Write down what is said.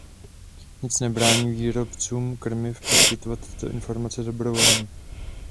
Nic nebrání výrobcům krmiv poskytovat tyto informace dobrovolně.